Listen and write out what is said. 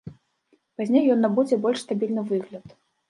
Пазней ён набудзе больш стабільны выгляд.